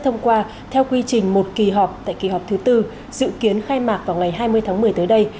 thông qua theo quy trình một kỳ họp tại kỳ họp thứ tư dự kiến khai mạc vào ngày hai mươi tháng một mươi tới đây